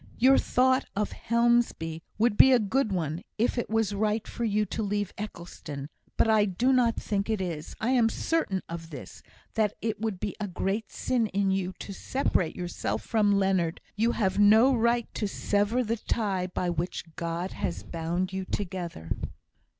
Your thought of Helmsby would be a good one, if it was right for you to leave Eccleston; but I do not think it is. I am certain of this, that it would be a great sin in you to separate yourself from Leonard. You have no right to sever the tie by which God has bound you together."